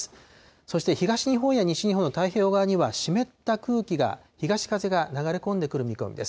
そして東日本や西日本の太平洋側には、湿った空気が、東風が流れ込んでくる見込みです。